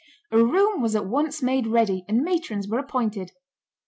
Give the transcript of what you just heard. A room was at once made ready, and matrons were appointed.